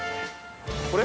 これ？